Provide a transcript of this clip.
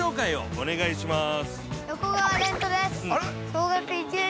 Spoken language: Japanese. ◆お願いします。